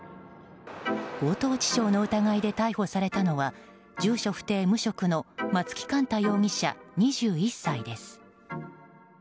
強盗致傷の疑いで逮捕されたのは住所不定・無職の松木幹太容疑者、２１歳です。